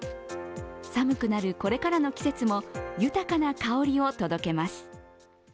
寒くなるこれからの季節も豊かな香りを届けます。